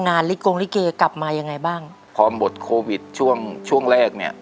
ลิกงลิเกกลับมายังไงบ้างพอหมดโควิดช่วงช่วงแรกเนี้ย